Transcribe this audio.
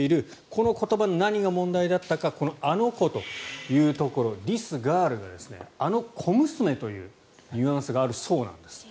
この言葉の何が問題だったかこの、あの子というところディス・ガールがあの小娘というニュアンスがあるそうなんです。